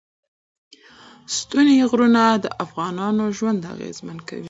ستوني غرونه د افغانانو ژوند اغېزمن کوي.